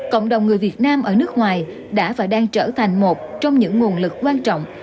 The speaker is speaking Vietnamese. cộng đồng người việt nam ở nước ngoài đã và đang trở thành một trong những nguồn lực quan trọng